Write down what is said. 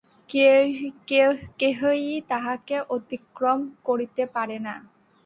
কেহই তাঁহাকে অতিক্রম করিতে পারে না।